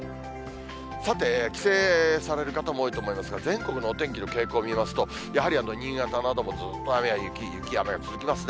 さて、帰省される方も多いと思いますが、全国のお天気の傾向見ますと、やはり新潟などもずっと雨や雪、雪や雨が続きますね。